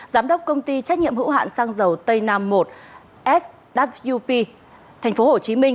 giám đốc công ty trách nhiệm hữu hạn xăng dầu tây nam một swp tp hcm